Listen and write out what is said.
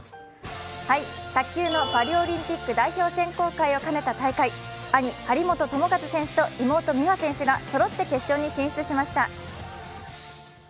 卓球のパリオリンピック代表選考会を兼ねた大会、兄・張本智和選手と妹・美和選手がそろって決勝に進出しました。